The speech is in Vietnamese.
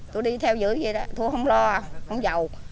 tôi đi theo dưới vậy đó tôi không lo không giàu